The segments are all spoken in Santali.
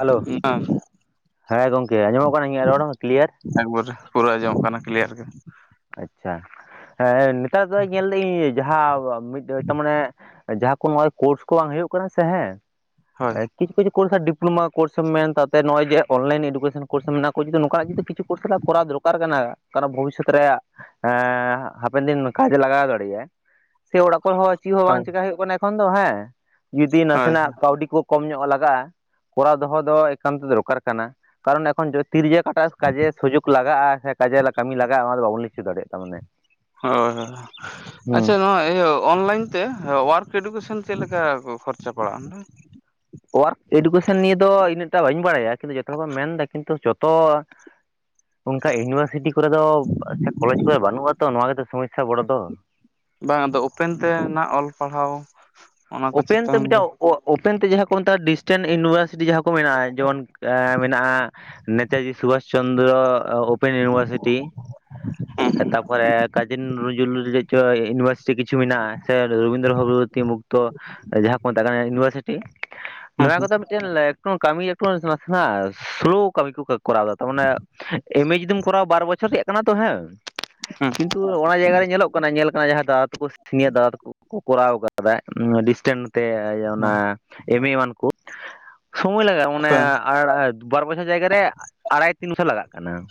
ᱦᱮᱞᱳ ᱦᱮᱸ ᱜᱚᱢᱠᱮ, ᱟᱸᱡᱚᱢᱚᱜ ᱠᱟᱱᱟ, ᱤᱧᱟᱹᱜ ᱨᱚᱲ ᱦᱚᱸ ᱠᱞᱤᱭᱟᱨ? ᱮᱠᱵᱟᱨᱮ, ᱯᱩᱨᱟᱹ ᱟᱸᱡᱚᱢ ᱠᱟᱱᱟ ᱠᱤᱞᱭᱟᱨ ᱜᱮ ᱟᱪᱷᱟ ᱦᱮᱸ ᱱᱮᱛᱟᱨ ᱫᱚ ᱧᱮᱞ ᱫᱟᱹᱧ, ᱡᱟᱦᱟᱸ ᱢᱤᱫ ᱛᱟᱨ ᱢᱟᱱᱮ ᱡᱟᱦᱟᱸ ᱠᱚ ᱱᱚᱣᱟ ᱠᱳᱨᱥ ᱠᱚ ᱵᱟᱝ ᱦᱩᱭᱩᱜ ᱠᱟᱱᱟ ᱥᱮ ᱦᱮᱸ ᱦᱳᱭ [unintelligible] ᱠᱤᱪᱷᱩᱤᱪᱷᱩ ᱠᱚᱥ ᱰᱤᱞᱳᱢᱟᱳᱨᱥᱢ ᱢᱮᱱ ᱛᱟ ᱱᱚᱜᱼᱚᱭᱮ ᱚᱱᱞᱟᱭᱤᱱ ᱮᱰᱩᱠᱮᱥᱚᱱ᱾ ᱠᱳᱥ ᱢᱮᱱᱟᱜ ᱠᱚ ᱡᱩᱫᱤ ᱱᱚᱝᱠᱟᱱᱟᱜ ᱡᱩᱫᱤ ᱠᱤᱪᱷᱩ ᱠᱳᱨᱥ ᱠᱚᱨᱟᱣ ᱫᱚᱨᱠᱟᱨ ᱠᱟᱱᱟ ᱠᱟᱨ ᱵᱷᱚᱵᱤᱥᱚᱛ ᱨᱮᱭᱟᱜ ᱦᱮ ᱦᱟᱯᱮᱱ ᱫᱤᱱ ᱠᱟᱡᱮ ᱞᱟᱜᱟᱣ ᱫᱟᱲᱮᱭᱟᱜᱟᱭ, ᱥᱮ ᱚᱲᱟᱜ ᱠᱚᱨᱮᱦᱚᱸ ᱪᱮᱫ ᱦᱚᱸ ᱵᱟᱝ ᱦᱳᱭ ᱪᱮᱠᱟᱹ ᱦᱩᱭᱩᱜ ᱠᱟᱱᱟ᱾ ᱠᱷᱚᱱ ᱫᱚ ᱦᱮᱸ ᱡᱩᱫᱤ ᱦᱳᱭ ᱱᱟᱥᱮᱱᱟᱜ ᱠᱟᱹᱣᱰᱤ ᱠᱚ ᱠᱚᱢ ᱧᱚᱜ ᱞᱟᱜᱟᱜᱼᱟ, ᱠᱚᱨᱟᱣ ᱫᱚᱦᱚ ᱫᱚ ᱮᱠᱟᱱᱛ ᱫᱚᱨᱠᱟᱨ ᱠᱟᱱᱟ, ᱠᱟᱨᱚᱱ ᱮᱠᱷᱚᱱ ᱛᱤᱨ ᱨᱮᱭᱟᱜᱮᱴ ᱴᱟᱜ ᱠᱟᱡᱮ ᱥᱩᱡᱳᱜ ᱞᱟᱜᱟᱜᱼᱟ ᱥᱮ ᱠᱟᱡᱮ ᱠᱟᱹᱢᱤ ᱞᱟᱜᱟᱜᱼᱟ ᱚᱱᱟ ᱫᱚ ᱵᱟᱵᱚᱱ ᱞᱟᱹᱭᱪᱚ ᱫᱟᱲᱮᱭᱟᱜ ᱛ ᱢᱟᱱᱮ᱾ ᱦᱳᱭ ᱦᱳᱭ ᱟᱪᱷᱟ ᱱᱚᱣᱟ ᱤᱭᱟᱹ ᱚᱱᱞᱟᱭᱤᱱ ᱛᱮ, ᱳᱣᱟᱨᱠ ᱮᱰᱩᱠᱮᱥᱚᱱ ᱪᱮᱫ ᱞᱮᱠᱟ ᱠᱷᱚᱨᱪᱟ ᱯᱟᱲᱟᱜᱼᱟ ᱚᱸᱰᱮ? ᱳᱣᱟᱨᱠ ᱮᱰᱩᱠᱮᱥᱚᱱ ᱱᱤᱭᱮ ᱫᱚ ᱤᱱᱟᱹᱜᱴᱟ ᱵᱟᱹᱧ ᱵᱟᱲᱟᱭᱟ ᱠᱤᱱᱛᱩ ᱡᱚᱛᱚ ᱦᱚᱲ ᱵᱢ ᱢᱮᱱᱫᱟ ᱠᱤᱱᱛᱩ ᱡᱚᱛᱚ ᱚᱱᱠᱟ ᱤᱭᱩᱱᱤᱵᱷᱟᱨᱥᱤᱴᱤ ᱠᱚᱨᱮ ᱫᱚ ᱥᱮ ᱠᱚᱞᱮᱮᱡ ᱠᱚᱨᱮ ᱵᱟᱹᱱᱩᱜ ᱟᱛᱚ ᱱᱚᱣᱟ ᱜᱮᱛᱚ ᱥᱚᱢᱚᱥᱥᱟ ᱵᱚᱲᱚ ᱫᱚ ᱵᱟᱝ ᱟᱫᱚ ᱳᱯᱮᱱ ᱛᱮ ᱱᱟᱜ ᱚᱞ ᱯᱟᱲᱦᱟᱣ ᱚᱱᱟ ᱠᱚ ᱚᱯᱮᱱ ᱛᱚ ᱪᱮᱛᱟᱱ ᱢᱤᱫᱴᱟ ᱨᱮ ᱳᱯᱮᱱ ᱛᱮ ᱡᱟᱦᱟᱸ ᱠᱚ ᱢᱮᱛᱟᱜᱼᱟ ᱰᱤᱥᱴᱮᱱ ᱤᱭᱩᱱᱤᱵᱷᱟᱨᱥᱤᱴᱤ ᱡᱟᱦᱟᱸ ᱠᱚ ᱢᱮᱱᱟᱜᱼᱟ ᱡᱮᱢᱚᱱ ᱢᱮᱱᱟᱜᱼᱟ ᱱᱮᱛᱟᱡᱤ ᱥᱩᱵᱷᱟᱥ ᱪᱚᱱᱫᱨᱚ ᱳᱯᱮᱱ ᱤᱭᱩᱱᱤᱵᱷᱟᱨᱥᱤᱴᱤ ᱛᱟᱯᱚᱨᱮ ᱠᱟᱡᱤ ᱱᱚᱡᱩᱨᱩᱞ [unintelligible] ᱤᱭᱩᱱᱤᱵᱷᱟᱨᱥᱤᱴᱤ ᱠᱤᱪᱷᱩ ᱢᱮᱱᱟᱜᱼᱟ ᱥᱮ ᱨᱚᱵᱤᱱᱫᱨ ᱵᱷᱚᱜᱚᱵᱚᱛᱤ ᱡᱟᱦᱟᱸ ᱠᱚ ᱢᱮᱛᱟᱜ ᱠᱟᱱᱟ ᱤᱭᱩᱱᱤᱵᱷᱟᱨᱥᱤᱴᱤ ᱦᱩᱸ ᱱᱚᱣᱟ ᱦᱩᱸ ᱠᱚᱫᱚ ᱢᱤᱫᱴᱮᱱ [unintelligible] ᱠᱟᱹᱢᱤ ᱮᱠᱴ ᱥᱞᱳ ᱠᱟᱹᱢᱤ ᱠᱚ ᱠᱚᱟᱣ ᱫᱟ ᱛᱟᱨ ᱢᱟᱱᱮ ᱮᱢ ᱮ ᱡᱩᱫᱤᱢ ᱠᱚᱨᱣᱟ ᱵᱟᱨ ᱵᱚᱪᱷᱚᱨ ᱨᱮᱭᱟᱜ ᱠᱟᱱᱟ ᱛᱚ ᱦᱮᱸ ᱦᱩᱸ ᱠᱤᱱᱛᱩ ᱚᱱᱟ ᱡᱟᱭᱜᱟ ᱨᱮ ᱧᱮᱞᱚᱜ ᱠᱟᱱᱟ ᱧᱮᱞ ᱡᱟᱦᱟᱸ ᱫᱟᱫᱟ ᱛᱟᱠᱚ ᱥᱤᱱᱤᱭᱟᱨ ᱫᱟᱫᱟ ᱛᱟᱠᱚ ᱠᱚ ᱠᱚᱨᱟᱣ ᱠᱟᱫᱟ ᱰᱤᱥᱴᱮᱱ ᱛᱮ ᱚᱱᱟ ᱮᱢ ᱮᱢᱟᱱ ᱠᱚ ᱥᱚᱢᱚᱭ ᱞᱟᱜᱟᱜ ᱢᱟᱱᱮ ᱦᱩᱸ ᱟᱨ ᱵᱟᱨ ᱵᱚᱪᱷᱚᱨ ᱡᱟᱭᱜᱟ ᱨᱮ ᱟᱲᱟᱭ ᱛᱤᱱ ᱵᱚᱪᱚᱨ ᱞᱟᱜᱟᱜ ᱠᱟᱱᱟ